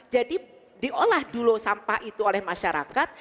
jadi diolah dulu sampah itu oleh masyarakat